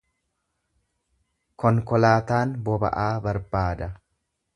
Konkolaataan boba’aa barbaada.